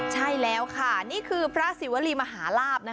ใช่แล้วค่ะนี่คือพระศิวรีมหาลาบ